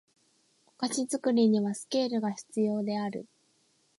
お菓子作りにはスケールが必要である